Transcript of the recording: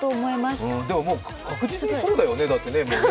でも、確実にそうだよね、もうね。